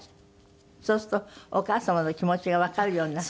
そうするとお母様の気持ちがわかるようになって。